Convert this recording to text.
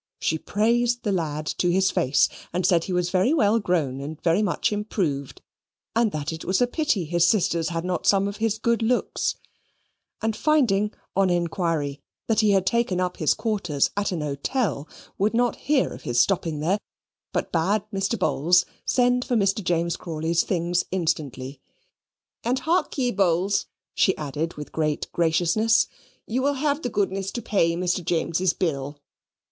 She praised the lad to his face, and said he was well grown and very much improved, and that it was a pity his sisters had not some of his good looks; and finding, on inquiry, that he had taken up his quarters at an hotel, would not hear of his stopping there, but bade Mr. Bowls send for Mr. James Crawley's things instantly; "and hark ye, Bowls," she added, with great graciousness, "you will have the goodness to pay Mr. James's bill."